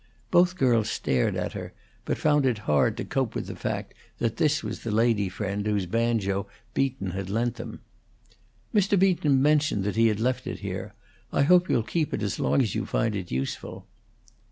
Both girls stared at her, but found it hard to cope with the fact that this was the lady friend whose banjo Beaton had lent them. "Mr. Beaton mentioned that he had left it here. I hope you'll keep it as long as you find it useful."